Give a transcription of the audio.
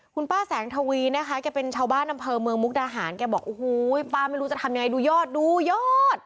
คุณป้าแสงทวีนะคะแกเป็นชาวบ้านอำเภอเมืองมุกดาหารแกบอกโอ้โหป้าไม่รู้จะทำยังไงดูยอดดูยอด